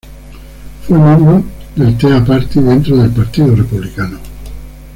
Fue miembro del Tea Party dentro del Partido Republicano.